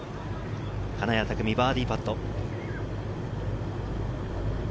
金谷拓実、バーディーパット。